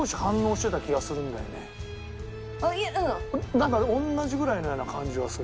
なんか同じぐらいのような感じはする。